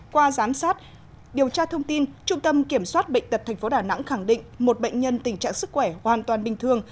qua giám sát điều tra thông tin trung tâm kiểm soát bệnh tật tp đà nẵng khẳng định một bệnh nhân tình trạng sức khỏe hoàn toàn bình thường